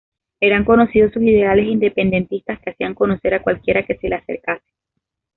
Eran conocidos sus ideales independentistas, que hacía conocer a cualquiera que se le acercase.